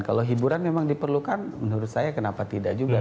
kalau hiburan memang diperlukan menurut saya kenapa tidak juga